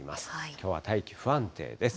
きょうは大気不安定です。